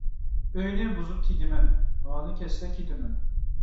ئۆينى بۇزۇپ تېگىمەن، ھالى كەتسە كېتىمەن.